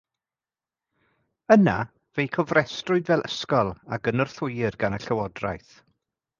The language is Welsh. Yna fe'i cofrestrwyd fel ysgol a gynorthwyir gan y llywodraeth.